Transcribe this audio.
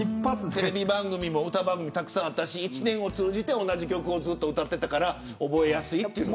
テレビ番組、歌番組もたくさんあったし１年を通じて、同じ曲をずっと歌っていたから覚えやすいという。